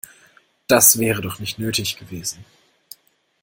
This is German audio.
Das wäre doch nicht nötig gewesen.